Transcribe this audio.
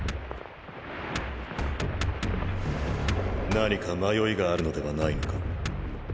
何か迷いがあるのではないのか？